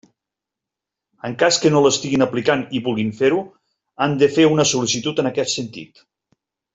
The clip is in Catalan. En cas que no l'estiguin aplicant i vulguin fer-ho, han de fer una sol·licitud en aquest sentit.